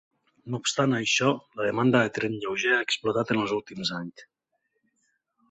No obstant això, la demanda de tren lleuger ha explotat en els últims anys.